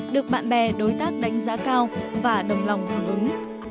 được bạn bè đối tác đánh giá cao và đồng lòng hưởng ứng